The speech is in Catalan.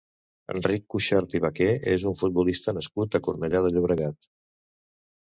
Enric Cuxart i Vaquer és un futbolista nascut a Cornellà de Llobregat.